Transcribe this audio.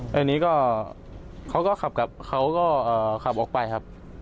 ตอนนี้เขาก็ขับออกไปครับ